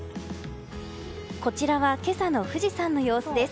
こちらは今朝の富士山の様子です。